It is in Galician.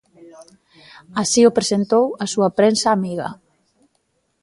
Así o presentou a súa prensa amiga.